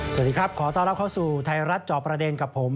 สวัสดีครับขอต้อนรับเข้าสู่ไทยรัฐจอบประเด็นกับผม